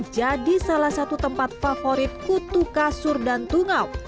jadi salah satu tempat favorit kutu kasur dan tungau